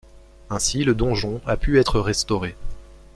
Ainsi le donjon a pu être restauré.